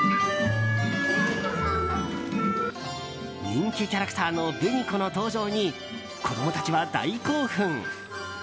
人気キャラクターの紅子の登場に子供たちは大興奮。